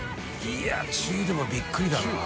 いや「中」でもびっくりだな。